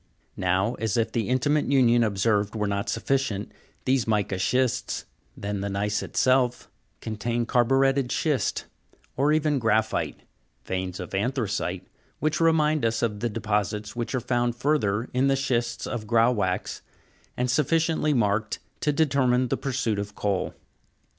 Now, as if the intimate union observed were not sufficient, these mica shists, then the gneiss itself, contain carburetted schist, or even graphite, veins of anthracite, which remind us of the deposits which are found further in the schists of grauwackes, and suffi ciently marked to determine the pursuit of coal.